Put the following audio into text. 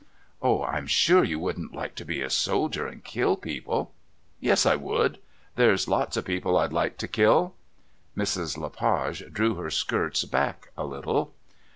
"Oh, I'm sure you wouldn't like to be a soldier and kill people." "Yes, I would. There's lots of people I'd like to kill." Mrs. Le Page drew her skirts back a little.